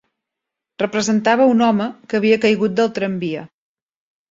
Representava un home que havia caigut del tramvia.